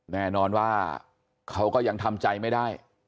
แน่นอนว่าเขาก็ยังทำใจไม่ได้